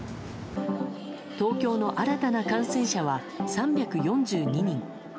東京の新たな感染者は３４２人。